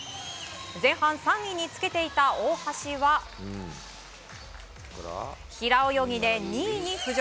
前半３位につけていた大橋は平泳ぎで２位に浮上。